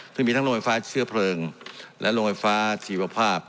ซึ่งมีทั้งโรงไฟฟ้าเชื้อเพลิงและโรงไฟฟ้าชีวภาพ